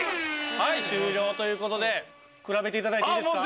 はい終了という事で比べて頂いていいですか？